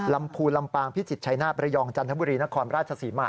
พูนลำปางพิจิตรชัยนาธระยองจันทบุรีนครราชศรีมา